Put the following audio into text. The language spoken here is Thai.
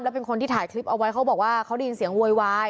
เป็นคนที่ถ่ายคลิปเอาไว้เขาบอกว่าเขาได้ยินเสียงโวยวาย